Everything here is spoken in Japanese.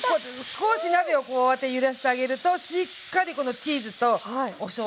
少し鍋をこうやって揺らしてあげるとしっかりこのチーズとおしょうゆがつきますね。